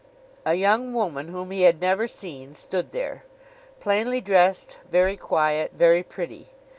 A young woman whom he had never seen stood there. Plainly dressed, very quiet, very pretty.